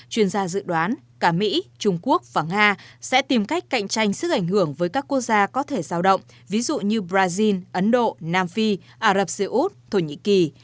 chuyên gia dự đoán cả mỹ trung quốc và nga sẽ tìm cách cạnh tranh sức ảnh hưởng với các quốc gia có thể giao động ví dụ như brazil ấn độ nam phi ả rập xê út thổ nhĩ kỳ